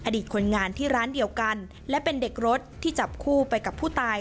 คนงานที่ร้านเดียวกันและเป็นเด็กรถที่จับคู่ไปกับผู้ตาย